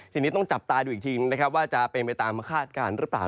ทีนี้ต้องจับตาดูอีกทีนะครับว่าจะเป็นไปตามคาดการณ์หรือเปล่า